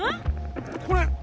これ！